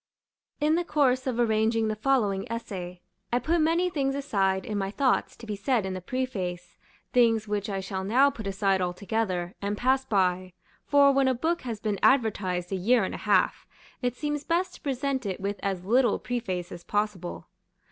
In the course of arranging the following essay, I put many things aside in my thoughts to be said in the Preface, things which I shall now put aside altogether, and pass by; for when a book has been advertised a year and a half, it seems best to present it with as little preface as possible.